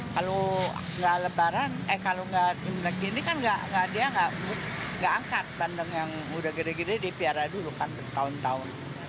kalau gak imlek gini kan dia gak angkat bandeng yang udah gede gede dipiara dulu kan tahun tahun